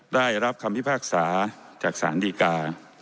ได้รับคำพิพากษาจากศาลดีกา